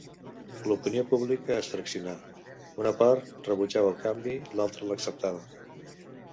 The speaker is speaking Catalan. L'opinió pública es fraccionà: una part rebutjava el canvi, l'altra l'acceptava.